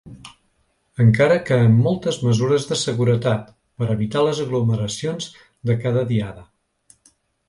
Encara que amb moltes mesures de seguretat, per evitar les aglomeracions de cada diada.